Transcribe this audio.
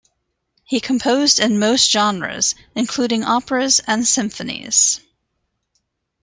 He composed in most genres, including operas and symphonies.